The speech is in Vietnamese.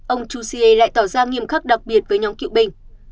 ông chú siê lại tỏ ra nghiêm khắc đặc biệt với nhóm cựu binh